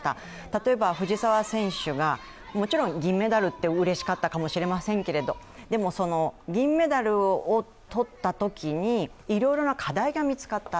例えば藤澤選手が、もちろん銀メダルってうれしかったかもしれませんけれども、でも銀メダルをとったときに、いろいろな課題が見つかった。